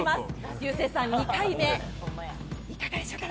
リューセーさん、２回目、いかがでしょうか？